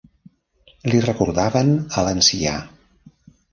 Li recordaven a l'ancià.